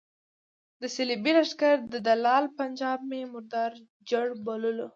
د صلیبي لښکر دلال پنجاب مې مردار جړ بللو.